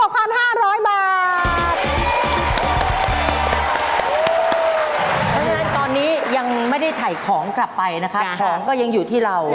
เพราะฉะนั้นตอนนี้ยังไม่ได้ถ่ายของกลับไปนะคะของก็ยังอยู่ที่เรา